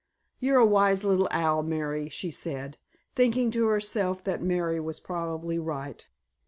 "You're a wise little owl, Mary," she said, thinking to herself that Mary was probably right.